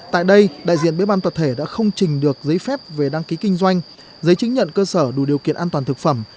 tại đây đại diện bếp ban tập thể đã không trình được giấy phép về đăng ký kinh doanh giấy chứng nhận cơ sở đủ điều kiện an toàn thực phẩm